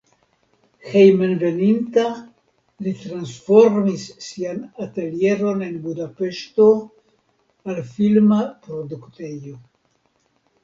Hejmenveninta li transformis sian atelieron en Budapeŝto al filma produktejo.